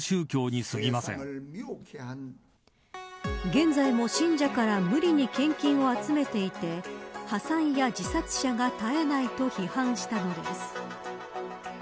現在も信者から無理に献金を集めていて破産や自殺者が絶えないと批判したのです。